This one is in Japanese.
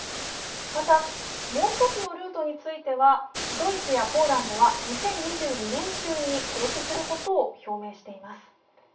また、もう１つのルートについてはドイツやポーランドは２０２２年中に停止することを表明しています。